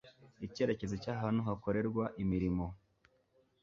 icyerekezo cy ahantu hakorerwa imirimo